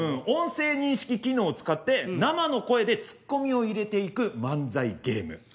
音声認識機能を使って生の声でツッコミを入れていく漫才ゲーム。